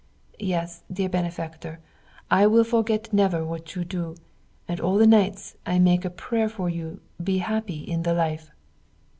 Yes, dear benefactor, I will forget never what you do, and all the nights I make a prayer for you be happy in the life.